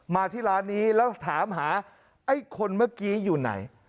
มาที่ร้านนี้แล้วถามหาไอ้คนเมื่อกี้อยู่ไหน